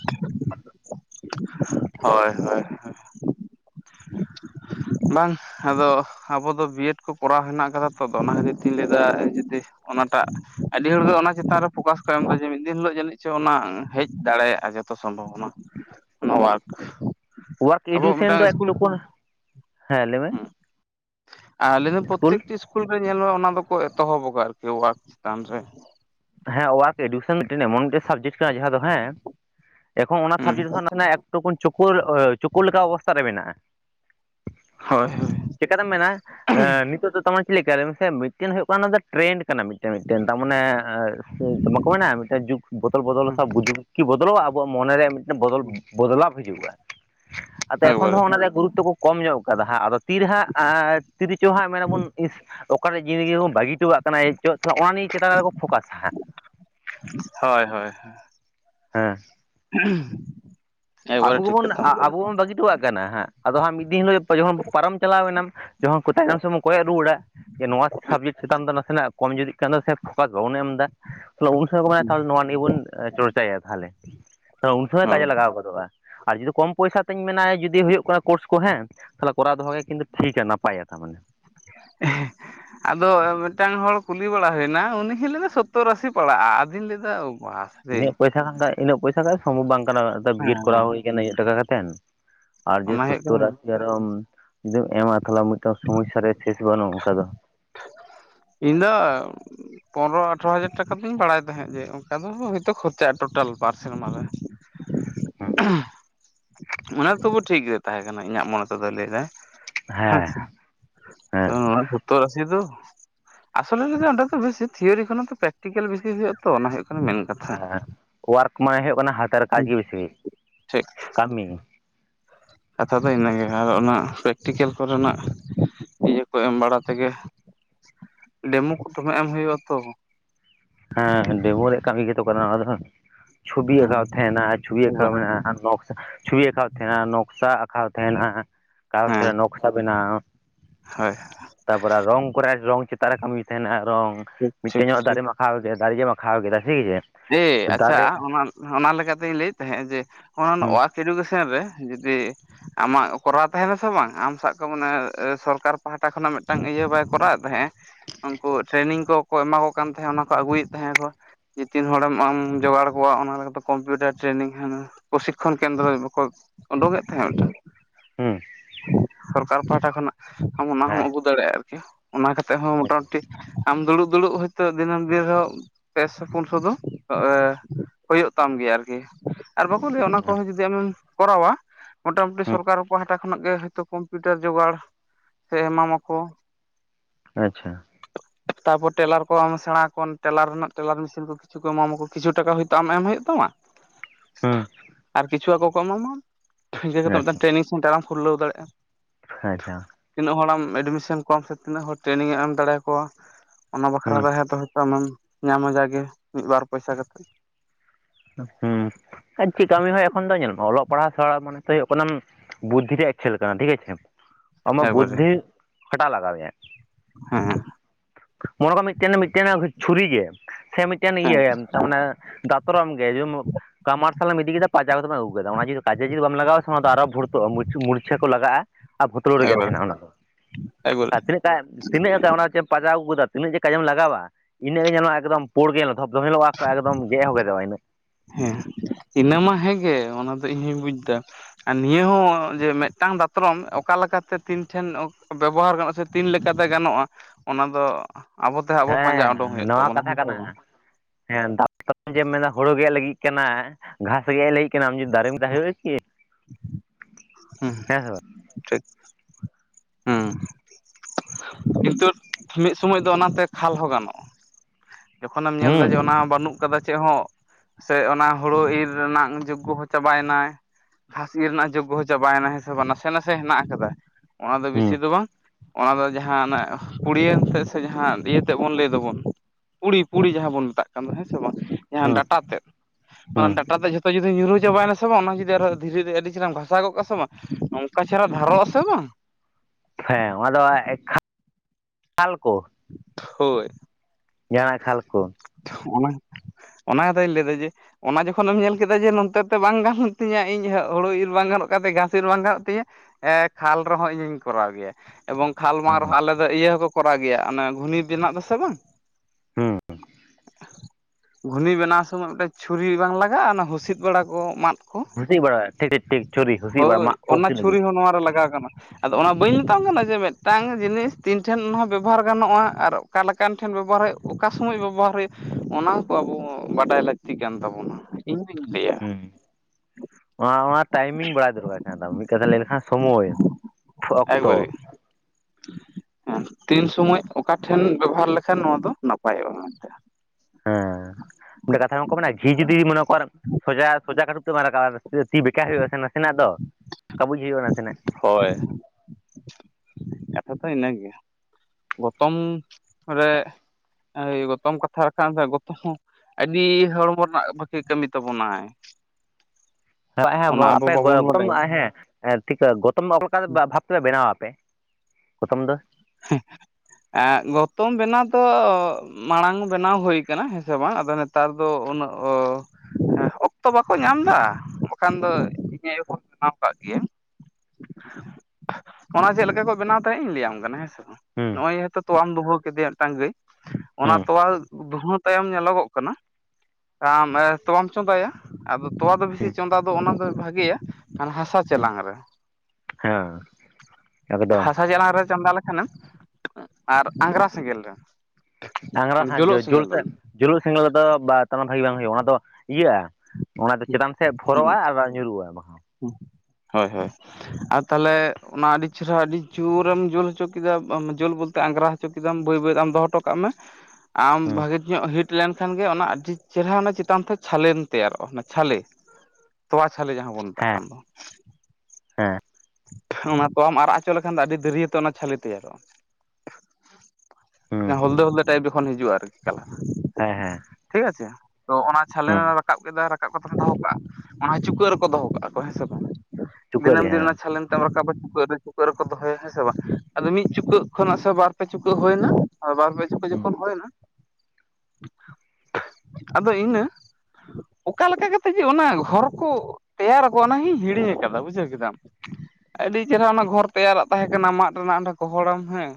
ᱦᱳᱭ ᱦᱳᱭ ᱵᱟᱝ ᱟᱫᱚ ᱟᱵᱚ ᱫᱚ ᱵᱤᱭᱮᱰ ᱠᱚ ᱠᱚᱨᱟᱣ ᱦᱮᱱᱟᱜ ᱟᱠᱟᱫᱟ ᱛᱚ ᱚᱱᱟ ᱠᱷᱟᱹᱛᱤᱨ ᱛᱤᱧ ᱞᱟᱹᱭᱫᱟ ᱡᱩᱫᱤ ᱚᱱᱟᱴᱟᱜ ᱟᱹᱰᱤ ᱦᱚᱲ ᱫᱚ ᱚᱱᱟ ᱪᱮᱛᱟᱱ ᱨᱮ ᱯᱷᱚᱠᱟᱥ ᱠᱚ ᱮᱢ ᱮᱫᱟ ᱡᱮ ᱢᱤᱫ ᱫᱤᱱ ᱦᱤᱞᱳᱜ ᱡᱟᱹᱱᱤᱡ ᱪᱚᱝ ᱚᱱᱟ ᱦᱮᱡ ᱫᱟᱲᱮᱭᱟᱜ ᱡᱚᱛᱚ ᱥᱚᱢᱵᱷᱚᱵᱚᱱᱟ ᱚᱱᱟ ᱣᱟᱨᱠ ᱟᱨᱠ ᱮᱰᱩᱚᱱ ᱫᱚ ᱮᱴᱩ ᱠᱷᱚᱱ ᱦᱮᱸ [unintelligible] ᱟᱨ ᱟᱹᱞᱤᱧ ᱫᱚ ᱯᱨᱚᱛᱮᱠᱴᱤ ᱤᱥᱠᱩᱞ ᱨᱮ ᱧᱮᱞ ᱢᱮ ᱚᱱᱟ ᱫᱚᱠᱚ ᱮᱛᱚᱦᱚᱵᱚᱜ ᱟᱨᱠᱤ ᱚᱟᱨᱠ ᱪᱮᱛᱟᱱ ᱨᱮ ᱦᱮ ᱣᱟᱨᱠ ᱮᱰᱩᱮᱥ ᱮᱢᱚᱱ ᱥᱟᱵᱡᱮᱠᱴ ᱡᱟᱦᱟᱸ ᱫᱚ ᱦᱮᱸ ᱮᱠᱷᱚᱱ ᱚᱱᱟ ᱦᱩᱸ ᱥᱟᱵᱡᱮᱠᱴ ᱫᱚ ᱦᱟᱸᱜ ᱮᱠᱴᱩ ᱠᱚ ᱪᱩᱠᱩᱨ ᱪᱩᱠᱩᱞ ᱞᱮᱠᱟ ᱚᱵᱚᱥᱛᱟ ᱨᱮ ᱢᱮᱱᱟᱜᱼᱟ ᱦᱳᱭ [unintelligible] ᱪᱮᱠᱟᱛᱮᱢ ᱢᱮᱱᱟ ᱱᱤᱛᱚᱜ ᱫᱚ ᱛᱢᱟᱨ ᱪᱮᱫ ᱞᱮᱠᱟᱥᱮ ᱢᱤᱫᱴᱮᱱ ᱦᱩᱭᱩᱜ ᱠᱟᱱᱟ ᱚᱱᱟ ᱫᱚ ᱴᱨᱮᱱᱰ ᱠᱟᱱᱟ ᱢᱤᱫᱴᱮᱱ ᱢᱤᱫᱴᱮᱱ ᱛᱟᱨᱢᱟᱱᱮ ᱢᱟ ᱠᱚ ᱢᱮᱱᱟ ᱢᱤᱫᱴᱮᱱ ᱡᱩᱜᱽ ᱵᱚᱫᱚᱞ ᱵᱚᱫᱚᱞ ᱦᱳᱭ ᱥᱟᱶᱡᱩᱠ ᱠᱤ ᱵᱚᱫᱚᱞᱚᱜ ᱟᱵᱚᱣᱟᱜ ᱢᱚᱱᱮᱨᱮᱱ ᱵᱚᱫᱚᱞ ᱵᱚᱫᱞᱟᱣ ᱦᱤᱡᱩᱜᱼᱟ ᱟᱫᱚ ᱮᱠᱷᱚᱱ ᱫᱚ ᱮᱠᱵᱟᱨᱮ ᱦᱟᱸᱜ ᱚᱱᱟ ᱨᱮᱭᱟᱜ ᱜᱩᱨᱩᱛᱛᱚ ᱠᱚ ᱠᱚᱢ ᱧᱚᱜ ᱠᱟᱫᱟ ᱦᱟᱸᱜ ᱟᱫᱚ ᱛᱤᱨᱮ ᱦᱟᱸᱜ ᱛᱤᱨᱪᱚ ᱦᱟᱸᱜ ᱢᱮᱱᱟᱵᱚᱱ ᱚᱠᱟᱴᱟᱜ ᱡᱤᱱᱤᱥ ᱜᱮ ᱠᱚ ᱵᱟᱹᱜᱤ ᱦᱚᱴ ᱠᱟᱜ ᱠᱟᱱᱟ ᱦᱮᱡᱪ ᱠᱟᱱᱟ ᱚᱱᱟ ᱱᱤᱭᱟᱹ ᱪᱮᱛᱟᱱ ᱨᱮᱠᱚ ᱯᱷᱳᱠᱟᱥᱟ ᱦᱳᱭ ᱦᱳᱭ ᱦᱳᱭ ᱦᱮᱸ ᱦᱮᱸ [unintelligible] ᱟᱵᱚ ᱜᱮᱵᱚᱱ ᱟᱵᱚ ᱵᱚᱱ ᱵᱟᱹᱜᱤ ᱦᱚᱴᱚ ᱠᱟᱜ ᱠᱟᱱᱟ ᱦᱜ ᱟᱫᱚ ᱦᱟᱸᱜ ᱢᱤᱫ ᱫᱤᱱ ᱦᱤᱞᱳᱜ ᱡᱚᱠᱷᱚᱱ ᱯᱟᱨᱚᱢ ᱪᱟᱞᱟᱣᱱᱟ ᱡᱚᱠᱷᱚᱱ ᱠᱚ ᱛᱟᱭᱚᱢ ᱥᱚᱢᱚᱭ ᱠᱚᱭ ᱨᱩᱣᱟᱹᱲᱟ ᱡᱮ ᱱᱚᱣᱟ ᱠᱮᱫᱟ ᱥᱟᱵᱡᱮᱠᱴ ᱪᱮᱛᱟᱱ ᱫᱚ ᱱᱟᱥᱮᱱᱟᱜ ᱠᱚᱢ ᱡᱩᱫᱤ ᱪ ᱠᱟᱱ ᱥᱮ ᱯᱷᱯᱟ ᱜᱚᱲᱚᱱᱮ ᱮᱢ ᱮᱫᱟ [unintelligible] ᱩᱱ ᱥᱚᱢᱚᱭ ᱠᱚ ᱢᱮᱱᱟ [unintelligible] ᱱᱚᱣᱟ ᱱᱤᱭᱟᱹ ᱵᱩᱱ ᱮ ᱪᱚᱨᱪᱟᱭᱟ ᱛᱟᱦᱟᱞᱮ ᱛᱚ ᱩᱱ ᱥᱚᱢᱚᱭ ᱠᱟᱡᱮ ᱦᱳᱭ ᱞᱟᱜᱟᱣ ᱜᱚᱫᱚᱜᱼᱟ᱾ ᱟᱨ ᱡᱩᱫᱤ ᱠᱚᱢ ᱯᱚᱭᱥᱟ ᱛᱤᱧ ᱢᱮᱱᱟᱭᱟ ᱠᱚᱢ ᱯᱩᱭᱥᱟᱹ ᱛᱤᱧ ᱢᱮᱱᱟ ᱡᱩᱫᱤ ᱦᱩᱭᱩᱜ ᱠᱟᱱᱟ ᱠᱳᱨᱥ ᱠᱚ ᱦᱮᱸ ᱛᱟᱦᱚᱞᱮ ᱠᱚᱨᱟᱣ ᱫᱚᱦᱚ ᱜᱮ ᱠᱤᱱᱛᱩ ᱯᱦᱤᱨᱤᱛᱮ ᱱᱟᱯᱟᱭᱟ ᱛᱟᱨᱢᱟᱱᱮ ᱦ [unintelligible] ᱟᱫᱚ ᱢᱤᱫᱴᱟᱝ ᱦᱚᱲ ᱠᱩᱞᱤ ᱵᱟᱲᱟ ᱦᱩᱭᱱᱟ ᱩᱱᱤ ᱦᱤᱞ ᱞᱟᱹᱭᱟ ᱥᱚᱛᱛᱚᱨᱥᱤᱮ ᱯᱟᱲᱟᱜᱼᱟ ᱟᱫᱚᱧ ᱞᱟᱹᱭᱟ ᱩᱵᱷᱟᱥ ᱤᱱᱟᱹᱜ ᱯᱚᱭᱥᱟ ᱠᱷᱟᱱ ᱤᱱᱟᱹᱜ ᱯᱚᱭᱥᱟ ᱥᱚᱢᱵᱷᱚᱵ ᱵᱟᱝ ᱠᱟᱱᱟ ᱵᱤᱴ ᱦᱮᱸ ᱠᱚᱨᱟᱣ ᱦᱩᱭ ᱟᱠᱟᱱᱟ ᱤᱧᱟᱹᱜ ᱴᱟᱠᱟ ᱠᱟ ᱠᱟᱛᱮᱮᱫ ᱟᱨ ᱡᱤ ᱚᱱᱟ ᱦᱩᱭᱩᱜ ᱥᱳᱛᱚᱨ ᱠᱟᱱᱟ ᱟᱥᱤ ᱦᱟᱡᱟᱨ ᱡᱩᱫᱤᱢ ᱮᱢᱟ ᱛᱟᱦᱞᱮ ᱥᱚᱢᱚᱥᱥᱟ ᱨᱮ ᱵᱮᱥ ᱵᱟᱹᱱᱩᱜᱼᱟ ᱚᱱᱠᱟ ᱫᱚ ᱤᱧᱫᱚ ᱯᱚᱱᱨᱚ ᱟᱴᱷᱨᱚ ᱦᱟᱡᱟᱨ ᱴᱟᱠᱟ ᱫᱚᱧ ᱵᱟᱲᱟᱭ ᱛᱟᱦᱮᱸᱫ ᱡᱮ ᱚᱱᱠᱟ ᱫᱚ ᱦᱳᱭᱛᱳ ᱠᱷᱚᱨᱪᱟᱜᱼᱟ ᱴᱳᱴᱟᱞ ᱯᱟᱨ ᱥᱮᱨᱢᱟ ᱨᱮ ᱚᱱᱟ ᱛᱚᱵᱚ ᱴᱷᱤᱠ ᱜᱮ ᱛᱟᱦᱮᱸᱠᱟᱱᱟ ᱤᱧᱟᱹᱜ ᱢᱚᱱᱮ ᱛᱮᱫᱚᱭ ᱞᱟᱹᱭᱫᱟᱭ ᱦᱮᱸ ᱥᱮ, ᱦᱮᱸ ᱛᱚ ᱥᱳᱛᱛᱳᱨ ᱟᱥᱤ ᱫᱚ ᱟᱥᱚᱞᱮ ᱨᱮ ᱚᱸᱰᱮ ᱫᱚ ᱵᱮᱥᱤ [unintelligible] ᱛᱷᱤᱭᱳᱤ ᱠᱷᱚᱱ ᱯᱨᱟᱠᱴᱤᱠᱮᱞ ᱵᱮᱥᱤ ᱦᱩᱭᱩᱜᱼᱟ ᱛᱚ ᱚᱱᱟ ᱦᱩᱭᱩᱜ ᱠᱟᱱᱟ ᱢᱮᱱ ᱠᱟᱛᱷᱟ ᱦᱮᱸ ᱳᱣᱟᱨ ᱢᱟᱱᱮ ᱦᱩᱭᱩᱜ ᱠᱟᱱᱟ ᱦᱟᱛᱮᱨ ᱠᱟᱡᱽ ᱜᱮ ᱵᱮᱥᱤ ᱴᱷᱤᱠ ᱠᱟᱹᱢᱤ᱾ ᱠᱟᱛᱷᱟ ᱫᱚ ᱤᱱᱟᱹᱜᱮ ᱟᱨ ᱚᱱᱟ ᱯᱨᱮᱠᱴᱤᱠᱮᱞ ᱠᱚᱨᱮᱱᱟᱜ ᱤᱭᱟᱹ ᱠᱚ ᱮᱢ ᱵᱟᱲᱟ ᱛᱮᱜᱮ ᱰᱮᱢᱳ ᱠᱩ ᱫᱚᱢᱮ ᱮᱢ ᱦᱩᱭᱩᱜᱼᱟ ᱛᱚ᱾ ᱦᱮᱸ, ᱰᱮᱢᱳ ᱨᱮᱭᱟᱜ ᱠᱟᱹᱢᱤ ᱜᱮᱛᱚ ᱠᱟᱱᱟ ᱱᱚᱣᱟ ᱫᱚ ᱦᱟᱸᱜ᱾ ᱪᱷᱩᱵᱤ ᱦᱮᱸ ᱟᱸᱠᱟᱣ ᱛᱮᱦᱮᱱᱟ ᱟ ᱪᱷᱩᱵᱤ ᱟᱸᱠᱟᱣ ᱮᱠᱵᱟᱨᱮ ᱢᱮᱱᱟᱜᱼᱟ ᱱᱚᱠᱥᱟ ᱪᱷᱚᱵᱤ ᱟᱸᱠᱟᱣ ᱛᱟᱦᱮᱱᱟ ᱱᱚᱠᱥᱟ ᱟᱸᱠᱟᱣ ᱛᱟᱦᱮᱱᱟ ᱦᱮᱸ ᱨᱮ ᱱᱚᱠᱥᱟ ᱵᱮᱱᱟᱣ ᱦᱳᱭ᱾ ᱛᱟᱯᱚᱨᱮ ᱨᱚᱝ ᱠᱚᱨᱮ ᱨᱚᱝ ᱪᱮᱛᱟᱱ ᱨᱮ ᱠᱟᱹᱢᱤ ᱛᱟᱦᱮᱱᱟ ᱨᱚᱝ ᱴᱷᱤᱠ ᱢᱤᱫᱴᱮᱱ ᱴᱷᱤᱠ ᱧᱚᱜ ᱴᱷᱤᱠ ᱫᱟᱨᱮᱢ ᱟᱸᱠ ᱠᱷᱟᱣ ᱜᱮ ᱫᱟᱨᱮ ᱜᱮᱢ ᱟᱠᱷᱟᱣ ᱠᱮᱫᱟ ᱴᱷᱤ ᱜᱮ᱾ ᱮ ᱟᱪᱪᱷᱟ ᱚᱱᱟ ᱚᱱᱟᱛᱤᱧ ᱞᱟᱹᱭᱮᱫ᱾ ᱡᱮ ᱚᱱᱟ ᱦᱩᱸ ᱚᱭᱟᱨᱠ ᱮᱰᱩᱠᱮᱥᱚᱱ ᱨᱮ ᱡᱩᱫᱤ ᱟᱢᱟᱜ ᱠᱚᱨᱟᱣ ᱛᱟᱦᱮᱱᱟ ᱵᱟᱝ ᱟᱢ ᱥᱟᱵ ᱠᱟᱜ ᱢᱟᱱᱮ ᱥᱚᱨᱠᱟᱨ ᱯᱟᱦᱴᱟ ᱠᱷᱚᱱ ᱢᱤᱫᱴᱟᱝ ᱤᱭᱟᱹ ᱵᱟᱭ ᱠᱚᱨᱟᱣᱮᱫ ᱛᱟᱦᱮᱸᱫ ᱟ ᱩᱱᱠᱩ ᱴᱨᱮᱱᱤᱝ ᱠᱚᱠᱚ ᱮᱢᱟ ᱠᱚ ᱠᱟᱱ ᱛᱟᱦᱮᱸᱫ ᱚᱱᱟ ᱠᱚ ᱟᱹᱜᱩᱭᱮᱫ ᱛᱟᱦᱮᱸ ᱠᱚ᱾ ᱡᱮ ᱛᱤᱱ ᱦᱚᱲᱮᱢ ᱟᱢ ᱡᱚᱜᱟᱲ ᱠᱚᱣᱟ ᱚᱱᱟ ᱞᱮᱠᱟᱛᱮ ᱠᱚᱢᱯᱤᱭᱩᱴᱟᱨ ᱴᱨᱮᱱᱤᱝ ᱯᱨᱚᱥᱤᱠᱠᱷᱚᱱ ᱠᱮᱱᱫᱨᱚ ᱵᱟᱠᱚ᱾ ᱩᱰᱩᱠᱮᱫ ᱛᱟᱦᱮᱸᱫ ᱢᱤᱫᱴᱟᱹᱝ ᱦᱩᱸ ᱥᱚᱨᱠᱟᱨ ᱯᱟᱦᱴᱟ ᱠᱷᱚᱱᱟᱜ ᱚᱱᱟ ᱦᱚᱢ ᱦᱮᱸ ᱟᱪᱪᱷᱟ ᱟᱹᱜᱩ ᱫᱟᱲᱮᱭᱟᱜᱼᱟ ᱟᱨᱠᱤ ᱚᱱᱟ ᱠᱟᱛᱮ ᱦᱚᱸ ᱢᱳᱴᱟᱢᱚᱴᱤ ᱟᱢ ᱫᱩᱲᱩᱵ ᱫᱩᱲᱩᱵ ᱦᱚᱳᱭᱛᱳ ᱫᱤᱱᱟᱹᱢ ᱫᱤᱱ ᱦᱚᱸ ᱵᱮᱥ ᱯᱩᱱᱥᱚ ᱫᱚ ᱦᱩᱭᱩᱜ ᱛᱟᱢ ᱜᱮᱭᱟ ᱟᱨ ᱠᱤ ᱟᱨ ᱵᱟᱠᱚ ᱞᱟᱹᱭᱟ ᱚᱱᱟ ᱦᱩᱸ ᱠᱚᱦᱚᱸ ᱡᱩᱫᱤ ᱟᱢᱮᱢ ᱠᱚᱨᱟᱣᱼᱟ ᱢᱚᱴᱟᱢᱩᱴᱤ ᱥᱚᱨᱠᱟᱨ ᱯᱟᱦᱴᱟ ᱠᱷᱚᱱ ᱠᱷᱚᱱᱟᱜ ᱜᱮ ᱦᱳᱭᱛᱳ ᱠᱚᱢᱯᱤᱩᱴᱟᱨ ᱡᱚᱜᱟᱲ ᱥᱮ ᱮᱢᱟᱢᱟᱠᱚ ᱟᱪᱷᱟ᱾ ᱛᱟᱨᱯᱚᱨ ᱴᱮᱞᱟᱨ ᱠᱚ ᱟᱢ ᱥᱮᱬᱟᱠᱚᱣᱟ ᱴᱮᱞᱟᱨ ᱨᱮᱱᱟᱜ ᱴᱮᱞᱟᱨ ᱢᱮ ᱠᱤᱪᱷᱩ ᱮᱢᱟᱢᱟ ᱠᱚ ᱠᱤᱪᱷᱩ ᱴᱟᱠᱟ ᱦᱚᱭᱛᱚ ᱟᱢ ᱮᱢ ᱦᱩᱭᱩᱜ ᱛᱟᱢᱟ ᱦᱮᱸ ᱟᱨ ᱠᱤᱪᱷᱩ ᱟᱠᱚ ᱠᱚ ᱮᱢᱟᱢᱟ ᱤᱱᱠᱟᱹ ᱠᱟᱛᱮᱫ ᱢᱤᱫᱴᱟᱱ ᱴᱨᱮᱱᱤᱝ ᱥᱮᱱᱴᱟᱨ ᱮᱢ ᱠᱷᱩᱞᱟᱹᱣ ᱫᱟᱲᱮᱭᱟᱜᱼᱟ ᱦᱮᱸ ᱪᱚᱝ ᱛᱤᱱᱟᱹᱜ ᱦᱚᱲᱮᱢ ᱮᱰᱢᱤᱥᱮᱱ ᱠᱚᱣᱟᱥᱮ ᱥᱮ ᱛᱤᱱᱟᱹᱜ ᱦᱚᱲ ᱴᱨᱮᱱᱤᱝ ᱮᱢ ᱫᱟᱲᱮᱭᱟᱠᱚᱣᱟ ᱚᱱᱟ ᱵᱟᱠᱷᱨᱟ ᱦᱩᱸ ᱫᱚ ᱦᱮᱸ ᱛᱚ ᱦᱚᱭᱛᱚ ᱟᱢᱮᱢ ᱧᱟᱢᱟ ᱡᱟᱜ ᱜᱮ ᱢᱤᱫ ᱵᱟᱨ ᱯᱚᱭᱥᱟ ᱠᱟᱛᱮᱫ ᱦᱩᱸ ᱟᱨ ᱪᱮᱫ ᱠᱟᱹᱢᱤ ᱦᱚᱸ ᱮᱠᱷᱚᱱ ᱫᱚ ᱧᱮᱞᱚᱜᱼᱟ ᱚᱞᱚᱜ ᱯᱟᱲᱦᱟᱣ ᱥᱮᱲᱟ ᱢᱟᱱᱮ ᱛᱮ ᱦᱩᱭᱩᱜ ᱠᱟᱱᱟ ᱵᱩᱫᱽᱫᱷᱤ ᱨᱮᱭᱟᱜ ᱠᱷᱮᱞ ᱠᱟᱱᱟ ᱴᱷᱤᱠ ᱟᱪᱷᱮ ᱟᱢᱟᱜ ᱮᱠᱵᱟᱨᱮ ᱵᱩᱫᱽᱫᱷᱤ ᱠᱷᱟᱴᱟᱣ ᱞᱟᱜᱟᱣ ᱟ ᱦᱮᱸ-ᱦᱮᱸ ᱢᱚᱱᱮ ᱠᱚ ᱢᱤᱫᱴᱮᱱ ᱢᱤᱫᱴᱮᱱ ᱪᱷᱩᱨᱤ ᱜᱮ ᱥᱮ ᱢᱤᱫᱴᱮᱱ ᱦᱮᱸ ᱤᱭᱟᱹ ᱛᱟᱨ ᱢᱟᱱᱮ᱾ ᱫᱟᱛᱚᱨᱚᱢ ᱜᱮ ᱡᱢ ᱠᱟᱢᱟᱨ ᱥᱟᱞᱮᱢ ᱤᱫᱤ ᱠᱮᱫᱟ ᱯᱟᱡᱟᱣ ᱠᱟᱛᱮᱢ ᱟᱹᱜᱩ ᱠᱮᱫᱟ ᱚᱱᱟ ᱡᱚᱫᱤ ᱠᱟᱡᱮ ᱡᱩᱫᱤ ᱠᱟᱡᱮ ᱡᱩᱫᱤ ᱵᱟᱢ ᱞᱟᱜᱟᱣᱟ ᱥᱮ ᱚᱱᱟ ᱫᱚ ᱟᱫᱚ ᱵᱷᱩᱲᱛᱚᱜᱼᱟ ᱢᱩ ᱢᱩᱨᱪᱷᱟᱹ ᱠᱚ ᱞᱟᱜᱟᱼᱟ ᱟᱨ ᱵᱷᱚᱛᱞᱳ ᱨᱮᱜᱮ ᱮᱠᱵᱟᱨᱮ ᱛᱟᱦᱮᱱᱟ ᱚᱱᱟ ᱫᱚ ᱮᱠᱵᱟᱨᱮ ᱟᱨ ᱛᱤᱱᱟᱹᱜ ᱫᱟᱜ ᱛᱤᱱᱟᱹᱜᱮ ᱫᱟᱜ ᱚᱱᱟ ᱯᱟᱸᱡᱟᱣ ᱟᱹᱜᱩ ᱟᱠᱟᱫᱟ ᱛᱤᱱᱟᱹᱜ ᱡᱮ ᱠᱟᱡᱮᱢ ᱞᱟᱜᱟᱣ ᱟ ᱤᱱᱟᱹᱜ ᱜᱮ ᱧᱮᱞᱢᱮ ᱮᱠᱫᱚᱢ ᱯᱩᱬ ᱜᱮ ᱧᱮᱞᱚᱜ-ᱟ ᱫᱷᱚᱯ ᱫᱷᱚᱯ ᱧᱮᱞᱚᱜ-ᱟ ᱮᱠᱫᱚᱢ ᱜᱮᱫ ᱦᱚᱸ ᱜᱮᱫᱚᱜ ᱤᱱᱟᱹᱜ ᱦᱮᱸ ᱤᱱᱟᱹ ᱢᱟ ᱦᱮᱸᱜᱮ ᱚᱱᱟ ᱫᱚ ᱤᱧ ᱦᱚᱧ ᱵᱩᱡ ᱮᱫᱟ ᱟᱨ ᱱᱤᱭᱟᱹ ᱦᱚᱸ ᱡᱮ ᱢᱤᱫᱴᱟᱝ ᱫᱟᱛᱨᱚᱢ ᱚᱠᱟ ᱞᱮᱠᱟᱛᱮ ᱛᱤᱱ ᱴᱷᱮᱱ ᱵᱮᱵᱚᱦᱟᱨ ᱜᱟᱱᱚᱜᱼᱟ ᱥᱮ ᱛᱤᱱ ᱞᱮᱠᱟᱛᱮ ᱜᱟᱱᱚᱜᱼᱟ ᱚᱱᱟ ᱫᱚ ᱟᱵᱚ ᱛᱮ ᱦᱟᱸᱜ ᱟᱵᱚ ᱯᱟᱸᱡᱟ ᱩᱰᱩᱠ ᱦᱮᱸ ᱦᱩᱭᱩᱜ ᱱᱚᱣᱟ ᱛᱟᱵᱚᱱᱟ ᱠᱟᱛᱷᱟ ᱦᱮᱸ ᱥᱮ ᱠᱟᱱᱟ ᱵᱟᱝ ᱦᱮᱸ ᱫᱟ ᱡᱮᱢ ᱢᱮᱫᱟ [inaudible] ᱦᱩᱲᱩ ᱜᱮᱫ ᱞᱟᱹᱜᱤᱫ ᱠᱟᱱᱟ ᱜᱷᱟᱥ ᱜᱮᱫ ᱞᱟᱹᱜᱤᱫ ᱤᱢ ᱡ ᱫᱟᱨᱤᱢ ᱠᱟᱹᱟᱦᱮ ᱦᱩᱭᱩᱜ ᱠᱤ ᱦᱮᱸ ᱥᱮ ᱵᱟᱝ ᱴᱷᱤᱠ ᱦᱮᱸ ᱠᱤᱱᱛᱩ ᱢᱤᱫ ᱥᱚᱢᱚᱭ ᱫᱚ ᱚᱱᱟᱛᱮ ᱠᱷᱟᱞ ᱦᱚᱸ ᱜᱟᱱᱚᱜᱼᱟ ᱡᱚᱠᱷᱚᱱᱮᱢ ᱧᱮᱞ ᱦᱩᱸ ᱮᱫᱟ ᱡᱮ ᱚᱱᱟ ᱵᱟᱹᱱᱩᱜ ᱛᱚᱵᱮ ᱪᱮᱫ ᱦᱚᱸ ᱥᱮ ᱚᱱᱟ ᱦᱩᱲᱳ ᱤᱨ ᱨᱮᱱᱟᱜ ᱡᱳᱜᱽᱜᱚ ᱦᱚᱸ ᱪᱟᱵᱟᱭᱮᱱᱟ ᱦᱟᱥᱤ ᱨᱮᱱᱟᱜ ᱡᱩᱜᱚ ᱦᱚᱸ ᱪᱟᱵᱟ ᱮᱱᱟ ᱦᱮᱥᱮ ᱵᱟᱝ ᱱᱟᱥᱮ ᱱᱟᱥᱮ ᱦᱮᱱᱟᱜ ᱠᱟᱫᱟ ᱚᱱᱟ ᱫᱚ ᱵᱤᱥᱤ ᱦᱩᱸ ᱫᱚ ᱵᱟᱝ ᱚᱱᱟ ᱫᱚ ᱡᱟᱦᱟᱸᱱᱟᱜ ᱠᱩᱲᱤᱭᱟᱹ ᱛᱮᱫ ᱥᱮ ᱡᱟᱦᱟᱸ ᱤᱭᱟᱹ ᱛᱮᱫ ᱵᱚᱱ ᱞᱟᱹᱭ ᱫᱟᱵᱚᱱ ᱠᱩᱲᱤ ᱯᱩᱲᱤ ᱡᱟᱦᱟᱸ ᱵᱚᱱ ᱢᱮᱛᱟᱜ ᱠᱟᱱ ᱫᱚ ᱦᱮᱸ ᱥᱮ ᱵᱟᱝ ᱡᱟᱦᱟᱸ ᱦᱩᱸ ᱰᱟᱴᱟ ᱛᱮᱫ᱾ ᱦᱩᱸ ᱚᱱᱟ ᱰᱟᱴᱟ ᱛᱮ ᱡᱷᱚᱛᱚ ᱡᱩᱫᱤ ᱧᱩᱨᱩ ᱪᱟᱵᱟᱭᱱᱟ ᱥᱮ ᱵᱟᱝ ᱚᱱᱟ ᱡᱩᱤ ᱟᱨ ᱫᱷᱤᱨᱤ ᱟᱹᱰᱤ ᱪᱮᱷᱨᱟᱢ ᱜᱷᱟᱥᱟᱣ ᱜᱚᱜᱞᱫ ᱠᱟᱜ-ᱟ ᱥᱮ ᱵᱟᱝ ᱱᱚᱝᱠᱟ ᱪᱮᱦᱨᱟ ᱫᱷᱟᱨᱚᱜ-ᱟᱥᱮ ᱵᱟᱝ ᱦᱮᱸ ᱚᱱᱟ ᱫᱚ ᱮᱠᱷᱟᱞ ᱮᱠᱷᱟᱞ ᱠᱚ ᱦᱳᱭ ᱡᱟᱸᱦᱟᱱᱟᱜ ᱠᱷᱟᱞ ᱠᱚ ᱦᱚᱸᱜ-ᱚᱱᱟ, ᱚᱱᱟ ᱠᱟᱛᱷᱟᱧ ᱞᱟᱹᱭᱫᱟ ᱡᱮ ᱚᱱᱟ ᱡᱚᱠᱷᱚᱱᱮᱢ ᱧᱮᱞ ᱠᱮᱫᱟ ᱡᱮ ᱱᱚᱛᱮ ᱛᱮ ᱵᱟᱝ ᱜᱟᱱᱚᱜ ᱛᱤᱧᱟᱹ ᱤᱧ ᱦᱩᱲᱩ ᱤᱨ ᱵᱟᱝ ᱜᱟᱱᱚᱜ ᱜᱷᱟᱥ ᱤᱨ ᱵᱟᱝ ᱜᱟᱱᱚᱜ ᱛᱤᱧᱟᱹ ᱦᱮᱸ ᱠᱷᱟᱞ ᱨᱮᱦᱚᱸ ᱤᱧᱤᱧ ᱠᱚᱨᱟᱣ ᱜᱮᱭᱟ ᱮᱵᱚᱝ ᱠᱷᱟᱞ ᱵᱟᱝ ᱦᱩᱸ ᱨᱮᱦᱚᱸ ᱟᱞᱮ ᱫᱚ ᱤᱭᱟᱹ ᱦᱚᱸᱠᱚ ᱠᱚᱨᱟᱣ ᱜᱮᱭᱟ ᱚᱱᱮ ᱜᱷᱩᱱᱤ ᱵᱮᱱᱟᱜ ᱫᱚᱥᱮ ᱵᱟᱝ ᱦᱩᱸ ᱜᱷᱩᱱᱤ ᱵᱮᱱᱟᱣ ᱥᱚᱢᱚᱭ ᱢᱤᱫᱴᱮᱱ ᱪᱷᱩᱨᱤ ᱵᱟᱝ ᱞᱟᱜᱟᱜᱼᱟ ᱚᱱᱟ ᱦᱩᱸᱤᱫ ᱵᱮᱲᱟ ᱠᱚ ᱢᱟᱫ ᱦᱮᱸ, ᱦᱩᱸᱥᱤᱫ ᱵᱟᱲᱟ ᱴᱷᱤᱠ ᱴᱷᱤᱠ ᱴᱷᱤᱠ ᱪᱷᱩᱨᱤ ᱦᱩᱸᱥᱤᱫ ᱵᱟᱲᱟ ᱦᱳᱭ ᱢᱟᱜ ᱠᱚ ᱚᱱᱱᱟ ᱦᱩᱸᱥᱤᱫ ᱪᱷᱩᱨᱤ ᱞᱟᱹᱜᱤᱫ ᱦᱚᱸ ᱱᱚᱣᱟ ᱨᱮ ᱞᱟᱜᱟᱣ ᱠᱟᱱᱟ ᱟᱫᱚ ᱚᱱᱟ ᱵᱟᱹᱧ ᱢᱮᱛᱟᱢ ᱠᱟᱱᱟ ᱡᱮ ᱢᱤᱫᱴᱟᱝ ᱡᱤᱱᱤᱥ ᱛᱤᱱ ᱴᱷᱮᱱ ᱵᱮᱵᱷᱟᱨ ᱵᱮᱵᱚᱦᱟᱨ ᱜᱟᱱᱚᱜᱼᱟ ᱟᱨ ᱚᱠᱟ ᱞᱮᱠᱟᱱ ᱴᱷᱮᱱ ᱵᱮᱵᱚᱦᱟᱨ ᱦᱩᱭᱩᱜᱼᱟ ᱚᱠᱟ ᱥᱚᱢᱚᱭ ᱵᱮᱵᱚᱦᱟᱨ ᱦᱩᱭᱩᱜᱼᱟ ᱚᱱᱟ ᱠᱚ ᱟᱵᱚ ᱵᱟᱰᱟᱭ ᱞᱟᱹᱠᱛᱤ ᱞᱟᱹᱠᱛᱤ ᱠᱟᱱ ᱛᱟᱵᱚᱱᱟ ᱤᱧᱫᱩᱧ ᱞᱟᱹᱭᱟ ᱦᱩᱸ ᱚᱱᱟ ᱴᱟᱭᱤᱢᱤᱝ ᱵᱟᱲᱟᱭ ᱫᱚᱨᱠᱟᱨ ᱠᱟᱱ ᱡᱟᱢᱟ ᱢᱤᱫ ᱠᱟᱛᱷᱟ ᱞᱟᱹᱭ ᱞᱮᱠᱷᱟᱱ ᱥᱚᱢᱚᱭ, ᱚᱠᱛᱚ ᱦᱮᱸ ᱛᱤᱱ ᱥᱚᱢᱚᱭ ᱚᱠᱟ ᱴᱷᱮᱱ ᱵᱮᱵᱚᱦᱟᱨ ᱞᱮᱠᱷᱟᱱ ᱱᱚᱣᱟ ᱫᱚ ᱱᱟᱯᱟᱭᱚᱜᱼᱟ, ᱢᱮᱱᱛᱮ ᱦᱮᱸ ᱢᱤᱫᱴᱮᱡ ᱠᱟᱛᱷᱟ ᱵᱟᱝᱠᱚ ᱢᱮ ᱜᱷᱤ ᱡᱩᱫᱤ ᱢᱚᱱᱮ ᱠᱚᱨ ᱥᱚᱡᱟ, ᱥᱚᱡᱟ ᱠᱴᱩᱵ ᱛᱮ ᱵᱟᱝ ᱨᱟᱠᱟᱵ-ᱟ ᱛᱤ ᱵᱮᱠᱟ ᱦᱩᱭᱩᱜᱼᱟ ᱥᱮ ᱱᱟᱥᱮᱱᱟᱜ ᱫᱚ, ᱠᱟᱵᱩᱡᱽ ᱦᱩᱭᱩᱜᱼᱟ ᱱᱟᱥᱮᱱᱟᱜ ᱦᱳᱭ ᱠᱟᱛᱷᱟ ᱫᱚ ᱤᱱᱟᱹ ᱜᱮᱭᱟ ᱜᱚᱛᱚᱢ ᱨᱮ ᱦᱳᱭ ᱜᱚᱛᱚᱢ ᱠᱟᱛᱷᱟ ᱨᱟᱠᱟᱵ ᱮᱱᱠᱷᱟᱱ ᱜᱚᱛᱚᱢ ᱦᱚᱸ ᱟᱹᱰᱤ ᱦᱚᱲᱢᱚ ᱨᱮᱱᱟᱜ ᱵᱷᱟᱹᱜᱤ ᱠᱟᱹᱢᱤ ᱛᱟᱵᱚᱱᱟᱭ ᱦᱮ ᱦᱮᱸ ᱚᱱᱟ ᱟᱵᱚ ᱟᱯᱮ ᱵᱟᱵᱚᱱ ᱜᱚᱛᱚᱢ ᱵᱟᱰᱟᱭᱟ ᱦᱮᱸ ᱴᱷᱤᱠᱟᱹ ᱜᱚᱛᱚᱢ ᱚᱠᱟ ᱞᱮᱠᱟ ᱵᱷᱟᱵ ᱛᱮᱯᱮ ᱵᱮᱱᱟᱣᱟᱯᱮ, ᱜᱚᱛᱚᱢ ᱫᱚ ᱦᱮᱸ ᱮᱸᱜᱻ ᱜᱚᱛᱚᱢ ᱵᱮᱱᱟᱣ ᱫᱚ ᱢᱟᱲᱟᱝ ᱵᱮᱱᱟᱣ ᱦᱩᱭ ᱠᱟᱱᱟ, ᱦᱮᱸ ᱥᱮ ᱵᱟᱝ ᱟᱫᱚ ᱱᱤᱛ ᱱᱮᱛᱟᱨ ᱫᱚ ᱩᱱᱟᱹᱜ ᱚᱠᱛᱚ ᱵᱟᱠᱚ ᱧᱟᱢᱫᱟ, ᱵᱟᱠᱷᱟᱱ ᱫᱚ ᱤᱧ ᱟᱭᱳ ᱚᱱᱟ ᱠᱚ ᱵᱮᱱᱟᱣ ᱠᱟᱜ ᱜᱮᱭᱟᱭ ᱚᱱᱟ ᱪᱮᱫᱮᱠᱟ ᱠᱚ ᱵᱮᱱᱟᱣ ᱛᱟᱦᱮᱸᱜ ᱤᱧᱤᱧ ᱞᱟᱹᱭᱟᱢ ᱠᱟᱱᱟ ᱦᱮᱸ ᱥᱮ ᱦᱩᱸ ᱱᱚᱜᱼᱚᱭ ᱦᱚᱭᱛᱳ ᱛᱚᱣᱟᱢ ᱫᱚᱦᱚ ᱠᱮᱫᱮᱭᱟ ᱢᱤᱫᱴᱟᱝ ᱜᱟᱹᱭ ᱚᱱᱟ ᱦᱩᱸ ᱛᱚᱣᱟ ᱫᱷᱩᱶᱟᱹ ᱛᱟᱭᱚᱢ, ᱧᱮᱞᱚᱜᱚᱜ ᱠᱟᱱᱟ ᱟᱢ ᱛᱚᱣᱟᱟᱢ ᱪᱚᱸᱫᱟᱭᱟ, ᱟᱫᱚ ᱛᱚᱣᱟ ᱫᱚ ᱵᱮᱥᱤ ᱦᱩᱸ ᱪᱚᱸᱫᱟ ᱫᱚ ᱚᱱᱟ ᱫᱚ ᱵᱷᱟᱜᱤᱭᱟ, ᱢᱟᱱᱮ ᱦᱟᱥᱟ ᱦᱩᱸ ᱪᱮᱞᱟᱝ ᱨᱮ, ᱦᱮᱸ ᱮᱠᱫᱚᱢ ᱦᱟᱥᱟ ᱪᱮᱞᱟᱝ ᱨᱮ ᱪᱚᱸᱫᱟ ᱞᱮᱠᱷᱟᱱ ᱮᱢ ᱟᱨ, ᱟᱜᱽᱨᱟ ᱥᱮᱸᱜᱮᱞ ᱨᱮ ᱢᱟᱱᱮ ᱟᱝᱜᱨᱟ ᱡᱳᱞᱳᱜ ᱡᱩᱞ ᱥᱮᱸᱜᱮᱞ ᱨᱮ ᱥᱮ ᱡᱩᱞᱩᱜ ᱥᱮᱸᱜᱮᱞ ᱨᱮ ᱫᱚ ᱵᱷᱟᱹᱜᱤ ᱵᱟᱝ ᱦᱩᱭᱩᱜᱼᱟ ᱚᱱᱟ ᱫᱚ ᱤᱭᱟᱹᱜᱼᱟ ᱚᱱᱟ ᱫᱚ ᱪᱮᱛᱟᱱ ᱥᱮᱫ ᱯᱷᱚᱨᱚᱜᱼᱟ ᱟᱨ ᱧᱩᱨᱩᱜᱼᱟ ᱵᱟᱠᱷᱟᱱ ᱦᱩᱸ, ᱦᱳᱭ ᱦᱳᱭ ᱟᱨ ᱛᱟᱞᱦᱮ ᱚᱱᱟᱻᱟᱹᱰᱤ ᱪᱮᱦᱨᱟ ᱟᱹᱰᱤ ᱡᱳᱨᱮᱢ ᱡᱩᱞ ᱦᱚᱪᱚ ᱠᱮᱫᱟ ᱡᱩᱞ ᱵᱚᱞᱛᱮ ᱟᱸᱜᱽᱨᱟ ᱦᱚᱪᱚ ᱠᱮᱫᱟᱢ ᱵᱟᱹᱭ ᱵᱟᱹᱭ ᱟᱢ ᱫᱚᱦᱚ ᱦᱚᱴᱚ ᱠᱟᱜ ᱢᱮ ᱟᱢ ᱦᱮᱸ ᱵᱷᱟᱜᱤ ᱧᱚᱜ ᱦᱤᱴ ᱞᱮᱱᱠᱷᱟᱱ ᱜᱮ, ᱚᱱᱟ ᱟᱹᱰᱤ ᱪᱮᱨᱦᱨᱟ ᱪᱮᱛᱟᱱ ᱛᱮ ᱪᱷᱟᱞᱮᱢ ᱛᱮᱭᱟᱨᱚᱜᱼᱟ᱾ ᱪᱷᱟᱞᱮ, ᱛᱚᱣᱟ ᱪᱷᱟᱞᱮ ᱡᱟᱦᱟᱸ ᱵᱚᱱ ᱢᱮᱛᱟᱜ ᱦᱮᱸ ᱠᱟᱱ ᱫᱚ ᱦᱮᱸ ᱚᱱᱟ ᱛᱳᱣᱟᱢ ᱟᱨᱟᱜ ᱦᱚᱪᱚ ᱞᱮᱠᱷᱟᱱ ᱫᱚ ᱟᱹᱰᱤ ᱫᱟᱹᱨᱭᱟᱹᱛ ᱚᱱᱟ ᱪᱷᱟᱹᱞᱮ ᱛᱮᱭᱟᱨᱚᱜᱼᱟ᱾ ᱦᱩᱸ ᱚᱱᱟ ᱦᱚᱞᱫᱟᱹ ᱦᱚᱞᱫᱟᱹ ᱴᱟᱭᱤᱯ ᱡᱚᱠᱷᱚᱱ ᱦᱤᱡᱩᱜᱼᱟ ᱟᱨᱠᱤ ᱠᱟᱞᱟᱨ, ᱦᱮᱸ ᱦᱮᱸ ᱴᱷᱤᱠ ᱟᱪᱷᱮ ᱛᱚ ᱚᱱᱟ ᱪᱷᱟᱞᱮ ᱦᱩᱸ ᱨᱟᱠᱟᱵ ᱠᱮᱫᱟᱭ ᱨᱟᱠᱟᱵ ᱠᱟᱛᱮ ᱫᱚᱦᱚ ᱠᱟᱜᱼᱟ ᱚᱱᱟ ᱪᱩᱠᱟᱹᱜ ᱨᱮᱠᱚ ᱫᱚᱦᱚ ᱠᱟᱜᱼᱟ ᱠᱚ ᱦᱮᱸ ᱥᱮ ᱵᱟᱝ ᱪᱩᱠᱟᱹᱜ ᱫᱤᱱᱟᱹᱢ ᱜᱮ ᱫᱤᱱ ᱦᱮᱸ ᱨᱮᱱᱟᱜ ᱛᱷᱟᱞᱮᱱᱛᱮᱢ ᱨᱟᱠᱟᱵᱟ ᱪᱩᱠᱟᱹᱜ ᱨᱮ ᱪᱩᱠᱟᱹᱜ ᱨᱮᱠᱚ ᱫᱚᱦᱚᱭᱟ ᱦᱮᱸ ᱥᱮ ᱵᱟᱝ ᱟᱫᱚ ᱢᱤᱫ ᱪᱩᱠᱟᱹᱜ ᱠᱷᱚᱱᱟᱜ ᱥᱮ ᱵᱟᱨ ᱯᱮ ᱪᱩᱠᱟᱹᱜ ᱦᱩᱭᱮᱱᱟ ᱵᱟᱨ ᱯᱮ ᱪᱩᱠᱟᱹᱜ ᱦᱩᱸ ᱡᱚᱠᱷᱚᱱ ᱦᱚᱭᱮᱱᱟ ᱟᱫᱚ ᱤᱱᱟᱹ ᱚᱠᱟᱞᱮᱠᱟ ᱠᱟᱛᱮ ᱡᱮ ᱚᱱᱟ ᱦᱚᱨ ᱠᱚ ᱛᱮᱭᱟᱨ ᱟᱠᱚ ᱚᱱᱟ ᱦᱩᱧ ᱦᱤᱲᱤᱧᱠᱟᱫᱟ ᱵᱩᱡᱷᱟᱹᱣ ᱠᱮᱫᱟᱢ ᱟᱹᱰᱤ ᱪᱮᱦᱨᱟ ᱚᱱᱟ ᱜᱷᱚᱨ ᱛᱮᱭᱟᱨᱟᱜ ᱛᱟᱦᱮᱸ ᱠᱟᱱᱟ ᱢᱟᱫ ᱨᱮᱭᱟᱜ ᱚᱱᱟ ᱜᱚᱦᱚᱲᱟᱢ ᱦᱮᱸ